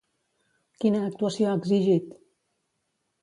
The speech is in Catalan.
Quina actuació ha exigit?